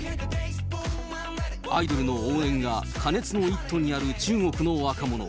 アイドルの応援が過熱の一途にある中国の若者。